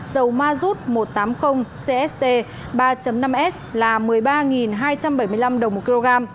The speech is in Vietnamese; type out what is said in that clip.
dầu mazut một trăm tám mươi cst ba năm s là một mươi ba hai trăm bảy mươi năm đồng một kg